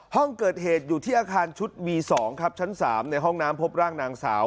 ห้องเกิดเหตุอยู่ที่อาคารชุดวี๒ครับชั้น๓ในห้องน้ำพบร่างนางสาว